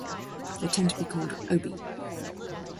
They tend to be called "Obi".